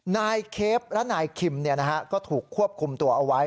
นายเคฟและนายคิมก็ถูกควบคุมตัวเอาไว้